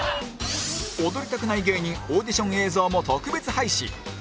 踊りたくない芸人オーディション映像も特別配信